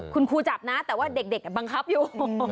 คุณครูจับนะแต่ว่าเด็กบังคับอยู่